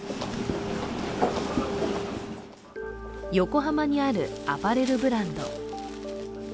横浜にあるアパレルブランド。